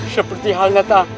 seperti halnya teteh